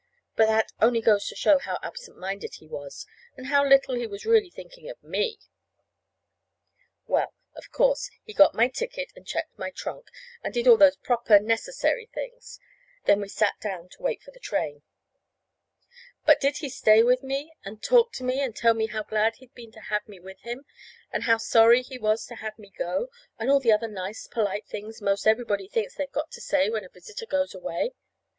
But that only goes to show how absent minded he was, and how little he was really thinking of me! Well, of course, he got my ticket and checked my trunk, and did all those proper, necessary things; then we sat down to wait for the train. But did he stay with me and talk to me and tell me how glad he had been to have me with him, and how sorry he was to have me go, and all the other nice, polite things 'most everybody thinks they've got to say when a visitor goes away?